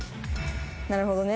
なるほどね。